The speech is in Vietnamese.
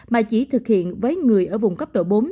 mà chỉ thực hiện với người ở vùng cấp độ bốn